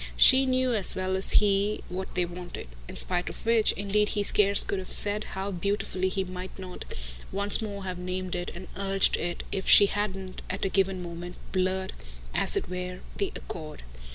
She knew as well as he what they wanted; in spite of which indeed he scarce could have said how beautifully he mightn't once more have named it and urged it if she hadn't, at a given moment, blurred, as it were, the accord.